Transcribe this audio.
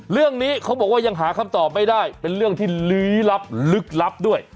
เรื่องนี้เขาบอกว่ายังหาคำตอบไม่ได้เป็นเรื่องที่ลี้ลับลึกลับด้วย